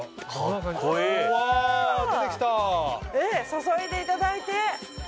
注いでいただいて。